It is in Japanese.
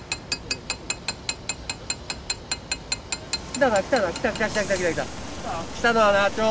来たな来たな。来た来た来た来た来た来た。来た？来たぞ。